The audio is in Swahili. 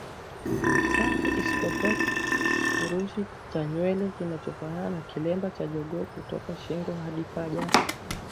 safi isipokuwa kifurushi cha nywele kinachofanana na kilemba cha jogoo kutoka shingo hadi paji